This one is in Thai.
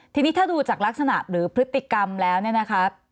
ทีนี้ถ้าดูจากลักษณะหรือพฤติกรรมแล้วเนี่ยนะคะ